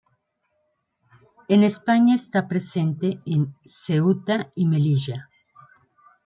En España está presente en Ceuta y Melilla.